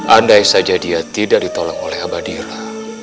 andai saja dia tidak ditolong oleh abadira